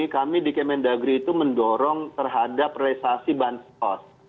kami di kemendagri itu mendorong terhadap realisasi bansos